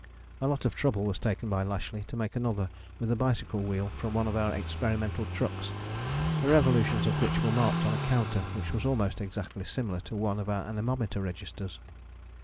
A lot of trouble was taken by Lashly to make another with a bicycle wheel from one of our experimental trucks, the revolutions of which were marked on a counter which was almost exactly similar to one of our anemometer registers.